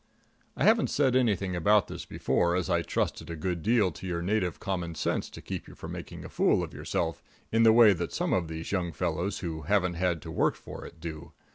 I haven't said anything about this before, as I trusted a good deal to your native common sense to keep you from making a fool of yourself in the way that some of these young fellows who haven't had to work for it do.